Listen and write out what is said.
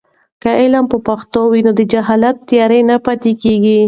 که علم په پښتو وي، نو د جهل تیارې نه پاتې کیږي.